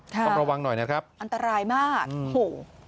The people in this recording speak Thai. ต้องระวังหน่อยนะครับอันตรายมากโอ้โห